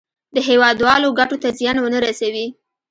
د هېوادوالو ګټو ته زیان ونه رسوي.